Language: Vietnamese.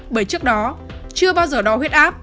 bởi trước đó chưa bao giờ đo huyết áp